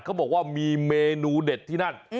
เขาบอกว่ามีเมนูเด็ดที่นั่น